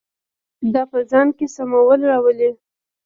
دا په ځان کې سمون راولي.